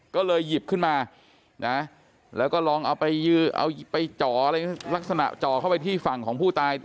ก็เลยหยิบขึ้นมานะแล้วก็ลองเอาไปจ่ออะไรลักษณะจ่อเข้าไปที่ฝั่งของผู้ตาย